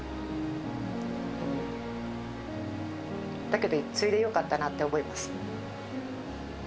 だけど、継いでよかったなって思います。